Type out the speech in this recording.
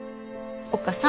おっ母さん。